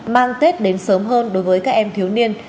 mang tết đến sớm hơn đối với các em thiếu niên